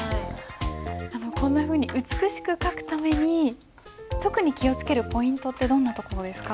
こんなふうに美しく書くために特に気を付けるポイントってどんなところですか？